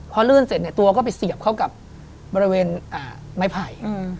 พอลื่นเสร็จเนี่ยตัวก็ไปเสียบเข้ากับบริเวณไม้ไผ่